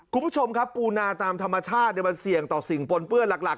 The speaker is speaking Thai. คุณผู้ชมครับปูนาตามธรรมชาติมันเสี่ยงต่อสิ่งปนเปื้อนหลัก